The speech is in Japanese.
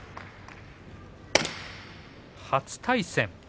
初対戦。